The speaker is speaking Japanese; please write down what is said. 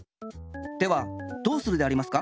ではどうするでありますか？